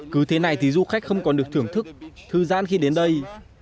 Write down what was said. cứ thế này thì du khách không còn được thưởng thức thư gian khi đến đây